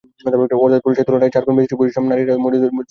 অর্থাৎ পুরুষের তুলনায় চার গুণ বেশি নারী পরিবারে মজুরিবিহীন শ্রম দিচ্ছেন।